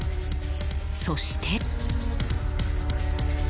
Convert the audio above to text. そして。